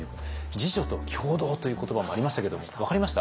「自助」と「協同」という言葉もありましたけれども分かりました？